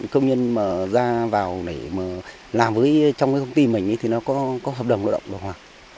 công nhân mà ra vào để làm trong công ty mình thì nó có hợp đồng lao động được